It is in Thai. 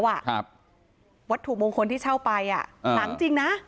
วัตถุมงคลที่เช่าไปอ่ะหลังจริงนะ